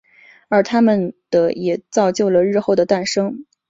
而他们的也造就了日后的诞生。